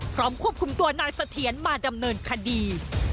ควบคุมตัวนายเสถียรมาดำเนินคดี